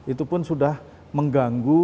itu pun sudah mengganggu